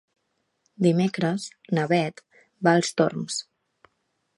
Dimecres na Beth va als Torms.